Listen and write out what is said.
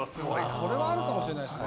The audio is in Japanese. それはあるかもしれないですね。